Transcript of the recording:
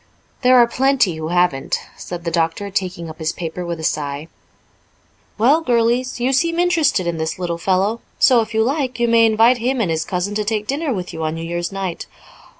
"There are plenty who haven't," said the doctor, taking up his paper with a sigh. "Well, girlies, you seem interested in this little fellow so, if you like, you may invite him and his cousin to take dinner with you on New Year's night."